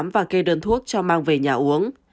và kê đơn thuốc cho mang về nhà uống